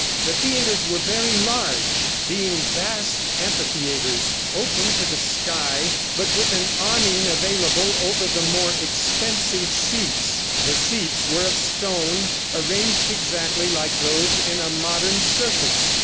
The theaters were very large, being vast amphitheaters, open to the sky, but with an awning available over the more expensive seats. The seats were of stone, arranged exactly like those in a modern circus.